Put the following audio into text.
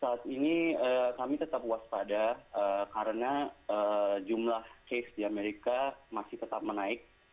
saat ini kami tetap waspada karena jumlah case di amerika masih tetap menaik